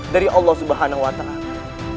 dari allah subhanahu wa ta'ala